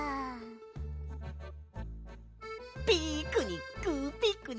ピクニック！